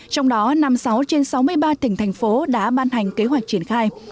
trong đó năm mươi sáu trên sáu mươi ba tỉnh thành phố đã ban hành kế hoạch triển khai